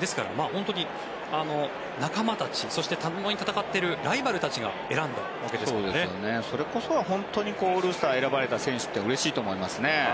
ですから本当に仲間たちそしてともに戦っているライバルたちがそれこそ本当にオールスターに選ばれた選手ってうれしいと思いますね。